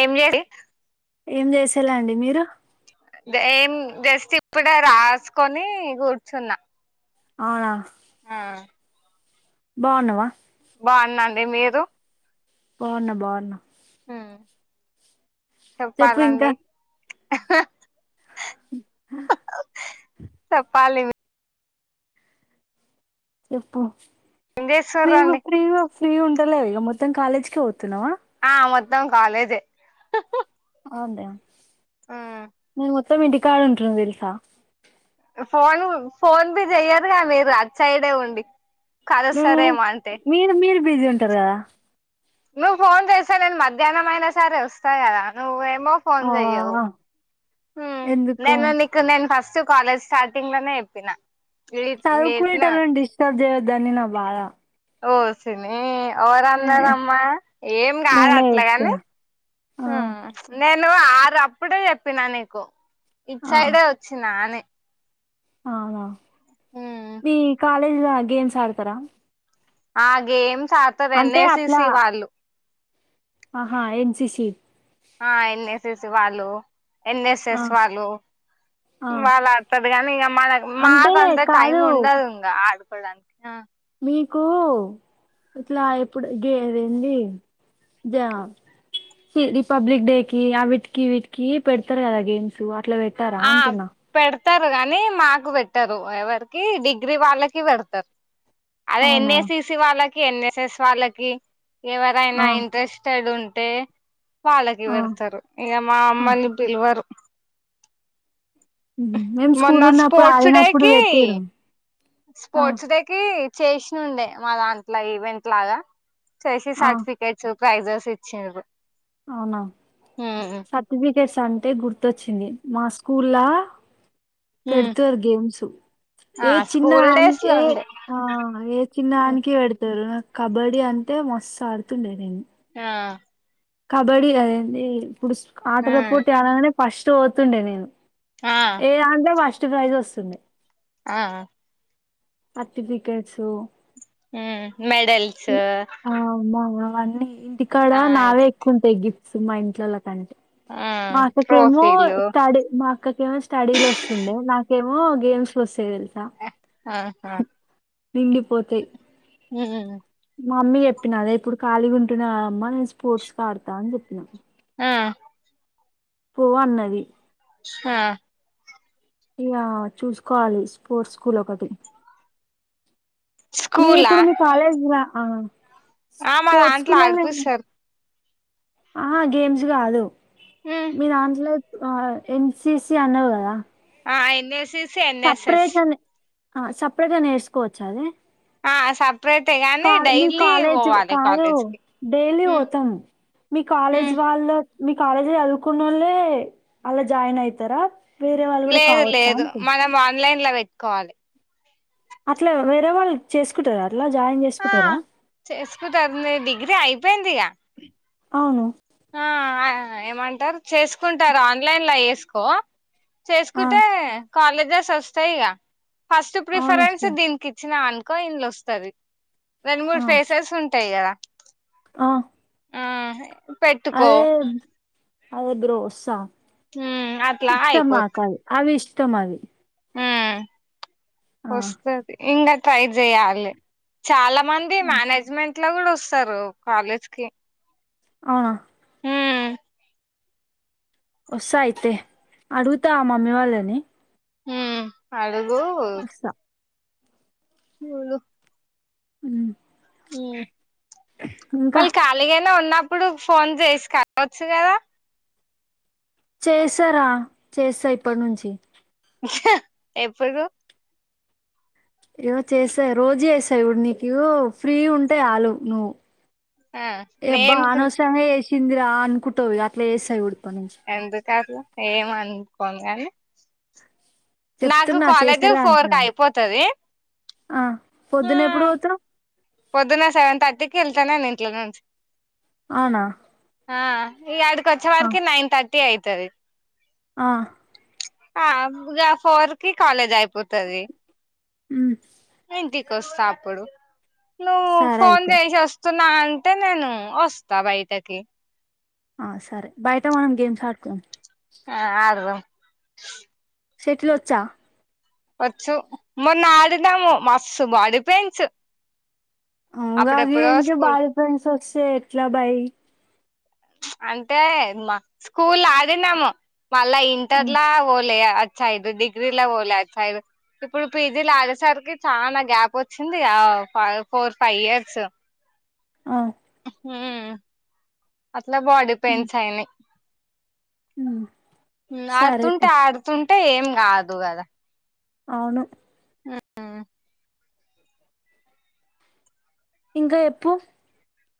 ఏం చేస్ ఏం చేసేలా అండి మీరు ఏం జస్ట్ ఇప్పుడ రాసుకొని కూర్చున్నా అవునా హ్మ బాణావ బాన్నాండి మీరు బన్నా బన్నా హ్మ చెప్పు ఇంకా చెప్పాలండి చప్పాలి చెప్పు ఏం ఫ్రీగా చేస్తుర్రండి ఫ్రీగా ఫ్రీ ఉంటలే ఇగ మొత్తం కాలేజ్కి పోతున్నావా ఆ మొత్తం కాలేజే అవునులే నేను మొత్తం ఇంటికాడ ఉంటున్న తెలుసా ఫోన్ ఫోన్ బి చెయ్యరుగా మీరు అట్సిడ్డే ఉండి హ్మ కలుస్తారేమో అంటే మీరు మీరు బిజీ ఉంటారు కదా నువ్వు ఫోన్ చేస్తే నేను మధ్యాహ్నం అయినా సరే వస్తా కదా నువ్వే ఏమో ఫోన్ చెయ్యావ్ ఆ హ్మ ఎందుకు నేన నీకు నెన్ ఫస్ట్ కాాలేజ్ స్టార్టింగ్ లోనే ఎప్పిన చదువుకునేటోలని డిస్టర్బ్ చేయదని నా బాధ ఓసిని ఏ, ఎవరన్నారమ్మా ఏం కాదు నేనే అట్లాగాని చెప్తున్నా ఆ హ్మ నే నేను ఆరు అప్పుడే చెప్పినా నీకు ఇట్ ఆ సైడే వచ్చినా అని అవునా మీ కాలేజ్లో గేమ్స్ ఆడతారా ఆ గేమ్స్ ఆడతారు ఎన్ అంటే ఎ సి అట్లా సి వాళ్ళు ఆహా N C C see C వాళ్ళు ఎన్ఎస్ఎస్ వాళ్ళు ఆ వాళ్ళ ఆడతారు కానీ ఇంక మన అంటే మాక అంత టైం కాదు ఉండదు ఇంకా ఆడ్ కోడానికి ఆ నీకు ఇట్లా ఇప్పుడు గే గదిఎంది జ రిపబ్లిక్ డే కి ఆ వటికి వీటికి పెడతారు కదా గేమ్స్ అట్లా పెట్టారా అంటున్నా పెతారు కానీ మాకు పెట్టరు ఎవరికి డిగ్రీ వాళ్ళకి పెడతారు అదే అవునా ఎన్ఎసిసి వాళ్ళకి ఎన్ఎస్ఎస్ వాళ్ళకి ఎవరైనా ఆ ఇంట్రెస్టెడ్ ఉన్ టే వాళ్ళకి ఆ పెడతారు ఇక మా ఆ అమ్మని పిలవారు మేము స్కూల్ మన్న ఉన్నప్పుడు స్పోర్ట్స్ ఆడినప్పుడు డేకి పెట్టిరు ఆ స్పోర్ట్స్ డేకి చేసిన ఉండే మా దాంట్లో ఈవెంట్ లాగా చేసే ఆ సర్టిఫికెట్స్ ప్రైజెస్ ఇచ్చిన్రు అవునా సతవి చెస్ అంటే గుర్తొచ్చింది మా స్కూల్లా పెడతారు గేమ్స్ ఆ ఏ చిన్న స్కూల్ డేస్ లో ఏ ఉండే ఆ ఏ చిన్న ఆనికి పెడతారు కబడ్డీ అంటే మస్తు ఆడుతుండేదన్ని ఆ కబడ్డీ అదేండి ఇప్పుడు ఆ ఆటల పోటీ ఆడగానే ఫస్ట్ పోతుండే నేను ఆ ఏదాంటే ఫస్ట్ ప్రైజ్ వస్తుంది ఆ సర్టిఫికెట్సు మెడల్స్ ఇవన్నీ ఇంటికాడ ఆ నావే ఎక్కువ ఉంటాయి గిఫ్ట్స్ మా ఇంట్లోలా కంటే ఆ మా అక్కకేమో ట్రోఫీలు స్టడీ మా అక్కకేమో స్టడీలు వస్తుండే మాకు ఇంకేమో గేమ్స్ వస్తే వెళ్తా ఆహా నిండిపోతాయి ఉ మా మమ్మీ చెప్పినా అదే ఇప్పుడు ఖాళీ ఉంటున్న అమ్మా నేను స్పోర్ట్స్ ఆడతా అని చెప్పినాను ఆ పో అన్నది హా ఇయా చూసుకోవాలి స్పోర్ట్స్ స్కూల్ ఒకటి మీ స్కూలా ఇప్పుడు మీ కాలేజ్ ఆ ఆ మా దాంట్లో ఆడుపిస్తరు ఆ గేమ్స్ కాదు మీ దాంట్లో ఆ ఎన్సిసి అన్నావు కదా ఆ ఎన్ఎసిసి ఎన్ఎస్ఎస్ సపరేట్గా నేర్చుకోవచ్చ అది ఆ సా కా మీ కాలేజ్ కాదు కాలేజ్ కి డైలీ పోతాం మీ కాలేజ్ వాళ్ళు మీ కాలేజ్ వెళ్లుకున్న వాళ్ళ అలా జాయిన్ అయితారా వేరే వాళ్ళు కూడా లేదు కావచ్చా లేదు అంటున్న మనం ఆన్లైన్ లో పెట్టుకోవాలి అట్లా వేరే వాళ్ళు చేసుకుంటారా అట్లా జాయిన్ ఆ చేసుకుంటారా చేసుకుంటారు డిగ్రీ అయిపోయిందిగా అవును ఏమంటారు చేసుకుంటారు ఆన్లైన్ లో చేసుకో ఆ చేసుకుంటే కాలేజెస్ వస్తాయి ఫస్ట్ అవును ప్రిఫరెన్స్ వస్తాయి దీనికిచ్చిన కా ఇంలు వస్తది రెండు మూడు ఆ ఫెసెస్ ఉంటాయి కదా ఆ ఆ పెట్టుకో అదే అదే బ్రో వస్తా ఉమ్ అట్లా ఇష్టం నాకవి అవి ఇష్టం అవి హ ఆ వస్తది ఇంకా ట్రై చేయాలి చాలా మంది మేనేజ్మెంట్ల కూడా వస్తారు కాలేజ్ కి అవునా ఉమ్ వస్తా అయితే అడుగుతా మమ్మీ వాళ్ళని హు అడుగు వస్తా లులు ఉ వాళ్ళు కాలిగే ఉన్నప్పుడు ఫోన్ చేసి కావచ్చు కదా చేస్తారా చేస్తా ఇప్పటి నుంచి ఎప్పుడు ఏవో చేస్తా రోజు చేస్తా చూడు నీకు వో ఫ్రీగా ఉంటే చాలు నువ్వు ఆ ఎబ్బా నేను అనవసంగా చేసింది రా అనుకుంటావ్ ఇగ అట్ల చేస్తా చూడు ఇప్పటి నుంచి ఎందుకు అట్లా ఏం అనుకోను గని నాకు చెప్తున్నా కాలేజ్ చేసేలా ఫోర్క అంటున్నా అయిపోతది ఆ ఆ పొద్దున ఎప్పుడు పోతావ్ పొద్దున్న సెవెన్ థర్టీకి వెళ్తా నేను ఇంట్ల నుంచి అవునా ఆ ఇగ ఆడికి వచ్చే ఆ వరకి నైన్ థర్టీ అయితది ఆ ఆ ఫోర్ కి కాలేజ్ అయిపోతది ఉమ్, ఇంటి వస్తా అప్పుడు నువ్వు సరే ఫోన్ అయితే చేసి వస్తా నా అంటే నేను వస్తా బయటకి ఆ సరే బయట మనం గేమ్స్ ఆడుకోదమ్ ఆ ఆడుదాం షటిల్ వచ్చా వచ్చు మొన్న ఆడినాము మస్తు బాడీ పెయిన్స్ ఉ అప్పుడెప్పుడో గాదినికి స్కూల్ బాడీపెయిన్స్ వస్తే ఎట్ల బై అంటే మా స్కూల్ ఆడినాము మళ్ళా ఆ ఇంటర్లా ఓలే సైడ్ డిగ్రీల పోలే అటు సైడ్ ఇప్పుడు పీజీలా ఆడేసరికి చానా గ్యాప్ వచ్చింది ఆ ఫోర్ ఫైవ్ ఇయర్స్ ఆ ఉ అట్లా బాడీ ఉమ్ పెయిన్స్ అయినాయి ఉమ్ సరే తీ ఆడుతుంటే ఆడుతుంటే ఏం గాదు గదా అవును ఉ ఉ ఇంకా ఎప్పు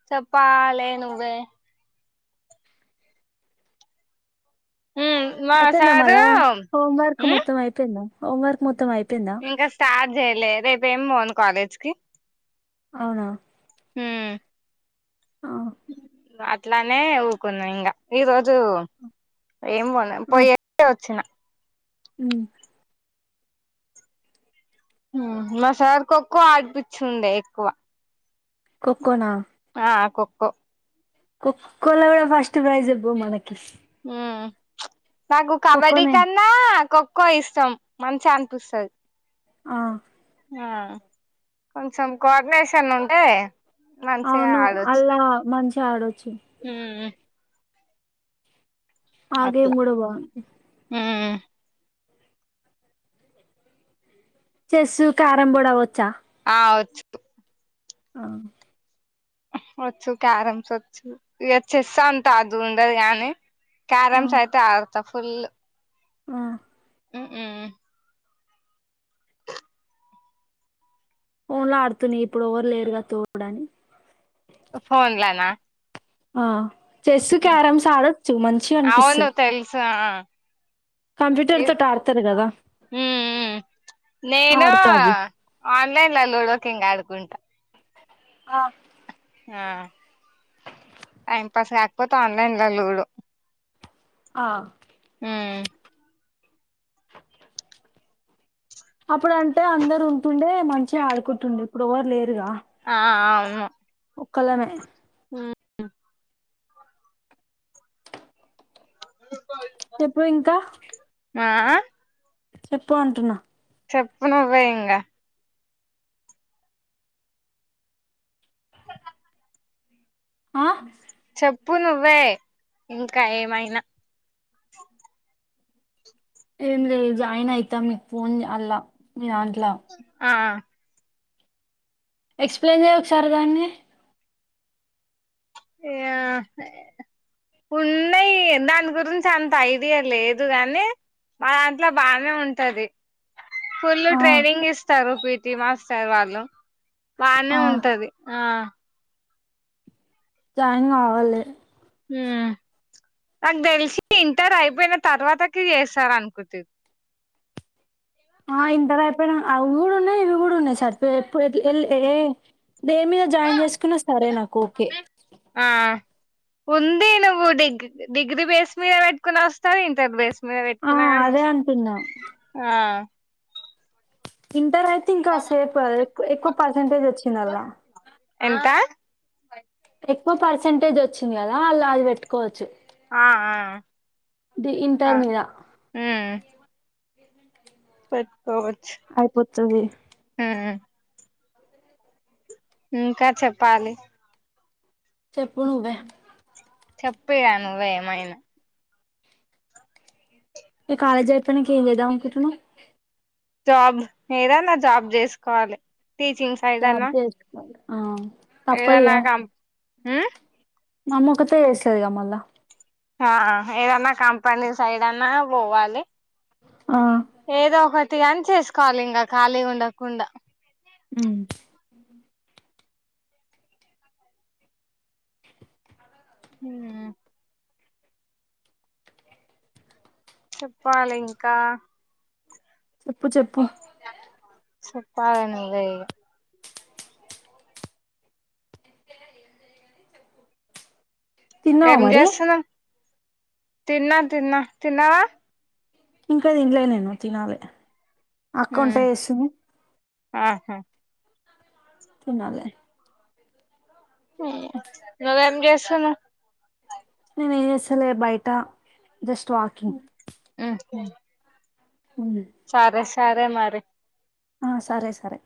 చప్పాలే నువ్వే ఉమ్ మా అయిపోయిందా సారు మల్లో హోంవర్క్ ఉమ్ మొత్తం అయిపోయిందా హోంవర్క్ మొత్తం అయి ఇంకా స్టార్ట్ చెయలే రేపు ఏం పోను కాలేజీకి అవునా హుమ్ ఆ అట్లానే ఊకున్నా ఇంగా ఈ రోజు ఏం పోలే పోయి వచ్చిన ఉ మా సార్ ఖో ఖో ఆడిపిచుండే ఎక్కువ ఖో ఖో నా ఆ ఖోఖో ఖో ఖో ల కూడా ఫస్ట్ ప్రైజ్ ఇవ్వు మనకి ఉమ్ నాకు కబడ్డీ ఖోఖోనే కన్నా ఖో ఖో ఇష్టం మంచిగా అనిపిస్తది ఆ ఆ కొంచెం కోఆర్డినేషన్ ఉంటే మంచిగా అవును ఆడొచ్చు అల్లా మంచిగా ఆడొచ్చు ఉ ఆ అట్లా గేమ్ గుడా బాగు ఉమ్ చెస్సు, క్యారం బోర్డు అవి వచ్చా కావచ్చు ఆ వచ్చు క్యారమ్స్ ఒచ్చు, ఇగ చెస్స్ అంత అదుండదు గానీ క్యారమ్స్ అయితే ఆడుతా ఫుల్ ఉమ్ ఉ ఉమ్ ఫోన్ లో ఆడుతున్నా ఇప్పుడు ఎవరు లేరుగా తోడని ఫోన్లనా ఆ చెస్సు, క్యారమ్స్ ఆడొచ్చు మంచిగనిపిస్తది. ఎ తోటి ఆడతారు కదా ఉమ్ ఉ నేనూ ఆడతా అవి ఆన్లైన్ ల లూడో కింగ్ ఆడుకుంట ఆ ఆ, టైమ్ పాస్ కాక్పోతే ఆన్లైన్ల లూడో ఆ ఉమ్ అప్పుడు అంటే అందరుంటుండే మంచిగ ఆడుకుంటుండే ఇప్పుడు ఒవ్వరు లేరుగా ఆ అ అవును ఒక్కలమే ఉమ్ చెప్పు ఇంకా ఆ చెప్పు అంటున్నా చెప్పు నువ్వే ఇంగ ఆ చెప్పు నువ్వే, ఇంకా ఏమైనా ఎంలే జాయినయితా మీ ఫోన్ ల అల్ల మీ దాంట్ ఆ ఎక్స్ప్లెయిన్ జేయ్ ఒకసారి దాన్ని యా ఎహ్ ఉన్నయ్ దాని గురించి అంత ఐడియా లేదు గానీ మా దాంట్ల బానే ఉంటది ఫుళ్లు ఆ ట్రైనింగ్ ఇస్తరు పి టి మాస్టర్ వాళ్ళు బానే ఆ ఉంటది ఆ జాయిన్ గావల్లి ఉమ్ నాక్ దెల్సి ఇంటర్ అయిపోయిన తర్వాతకి చేస్తరనుకుంటిది అవు గూడున్నయ్ ఇవి గూడ్ గూడున్నయి సర్టిఫికెట్లు ఎప్ ఎట్ల ఏల్ ఏ దేని మీద జాయిన్ జేసుకున్నా సరే నాకోకే. ఆ ఉంది నువ్వు డిగ్ డిగ్రీ బేస్ మీద బెట్టుకున్న వస్తది ఇంటర్ బేస్ మీద ఆ బెట్టుకున్నా అదే గనోస్ అంటున్నా ఆ ఇంటర్ అయితే ఇంకా సేపు అద్ ఎక్కువ పర్సంటేజ్ వచ్చిందల్లా అ ఎక్కువ పర్సంటేజ్ వచ్చింది గదా అల్ల అది బెట్టుకోవచ్చు. ఆ ఆ, ఆ ఇంటర్ మీద ఉమ్ పెట్కోవచ్ అయిపోతది ఆ ఇంకా చెప్పాలి? చెప్పు నువ్వే చెప్పిగా నువ్వే ఏమైనా? ఈ కాలేజ్జయిపోయినక ఏం చేద్దాం అనుకుంటున్నావ్? జాబ్ ఏదన్నా జాబ్ చేసుకోవాలి టీచింగ్ సైడన్న. అ ఏదన్నా కం మామ్మొకతే చేస్తదిగా మళ్ళ. హా ఏదనా కంపనీ సైడ్న్నా పోవాలి. ఆ ఏదో ఒకటి గాని చేసుకోవాలి, ఇంగ ఖాళీ ఉండకుండా. ఉ [inaudible] చెప్పాలి ఇంకా చెప్పు చెప్పు చెప్పాలి నువ్వేగా? తిన్నావా ఏం మరి చేస్తన్నావ్ తిన్నాం, తిన్నా తిన్నావా? ఇంకా తిన్లే నేను తినలే అక్క వంట వేస్తుంది. ఆహా తినాలి [inaudible] నువ్వేం జేస్తున్నావ్? నేను ఏసలే బయటా జస్ట్ వాకింగ్. ఉమ్ సారే సారే మరి ఆ సరే సరే